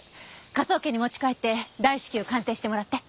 科捜研に持ち帰って大至急鑑定してもらって。